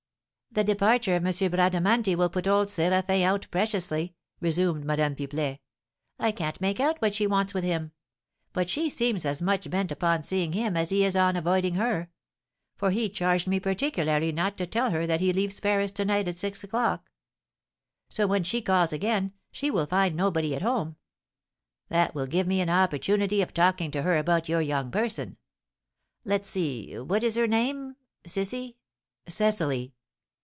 "The departure of M. Bradamanti will put old Séraphin out preciously!" resumed Madame Pipelet. "I can't make out what she wants with him; but she seems as much bent upon seeing him as he is on avoiding her; for he charged me particularly not to tell her that he leaves Paris to night at six o'clock. So, when she calls again, she will find nobody at home; that will give me an opportunity of talking to her about your young person. Let's see, what is her name? Cissy " "Cecily!"